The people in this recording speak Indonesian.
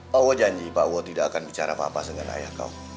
pak wo janji pak wo tidak akan bicara apa apa dengan ayah kau